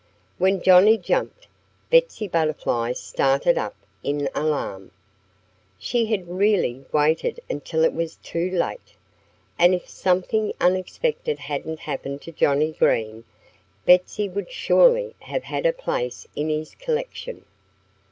When Johnnie jumped, Betsy Butterfly started up in alarm. She had really waited until it was too late. And if something unexpected hadn't happened to Johnnie Green, Betsy would surely have had a place in his collection.